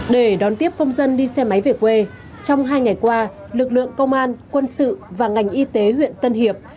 để đón tiếp công dân đi xe máy về quê trong hai ngày qua lực lượng công an quân sự và ngành y tế huyện tân hiệp